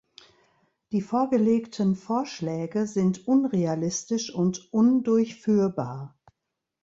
Die vorgelegten Vorschläge sind unrealistisch und undurchführbar.